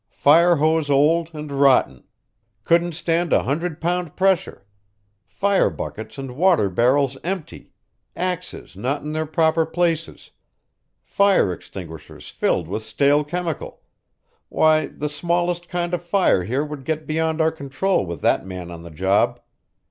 Fire hose old and rotten couldn't stand a hundred pound pressure; fire buckets and water barrels empty, axes not in their proper places, fire extinguishers filled with stale chemical why, the smallest kind of a fire here would get beyond our control with that man on the job.